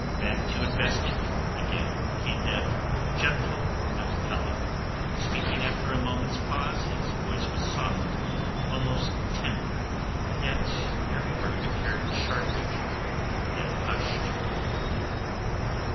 Back to invest it again came that gentle melancholy. Speaking after a moment's pause, his voice was soft, almost tender, yet every word of it carried sharply through that hushed court.